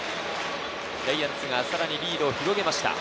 ジャイアンツがリードを広げました。